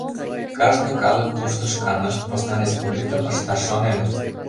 Кажне калык тушто шканышт посна республикым ышташ шоненыт.